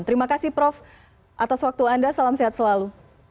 terima kasih prof atas waktu anda salam sehat selalu